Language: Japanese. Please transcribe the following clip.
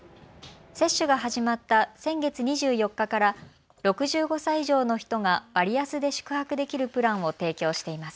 接種が始まった先月２４日から６５歳以上の人が割安で宿泊できるプランを提供しています。